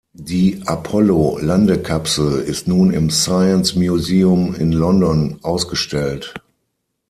Die Apollo-Landekapsel ist nun im Science Museum in London ausgestellt.